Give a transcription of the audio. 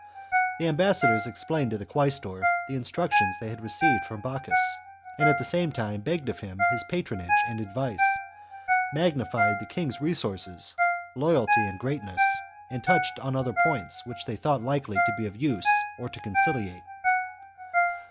The am bassadors explained to the quaestor the instructions they had received from Bocchus, and at the same time begged of him his patronage and advice, magnified the king's resources, loyalty, and greatness, and touched on other points which they thought likeiy to be of use or to conciliate.